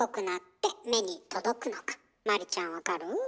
麻里ちゃん分かる？